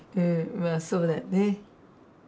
まあそうだね。